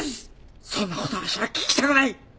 そんなことわしは聞きたくない！